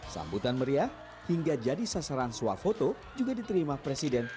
sambutan meriah hingga jadi sasaran swafoto juga diterima presiden